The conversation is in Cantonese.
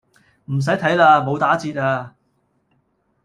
唔洗睇喇，冇打折呀